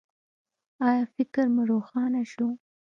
ایا فکر مو روښانه شو؟